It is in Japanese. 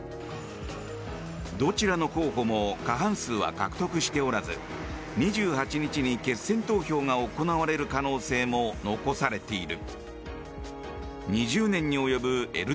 どちらの候補も過半数は獲得しておらず２８日に決選投票が行われる可能性も残されている。